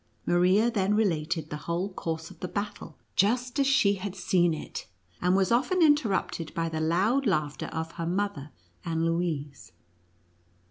Maria then related the whole course of the battle, just as she had seen NUTCRACKER AND MOUSE KING. 93 it, and was often interrupted by the loud laugh ter of her mother and Louise.